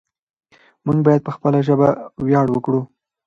موږ بايد په خپله ژبه وياړ وکړو.